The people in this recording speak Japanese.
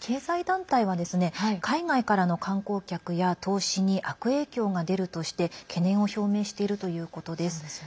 経済団体は海外からの観光客や投資に悪影響が出るとして懸念を表明しているということです。